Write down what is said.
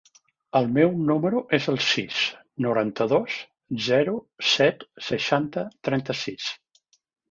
El meu número es el sis, noranta-dos, zero, set, seixanta, trenta-sis.